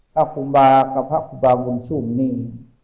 พระครูบากับพระครูบาบุญชุ่มนี่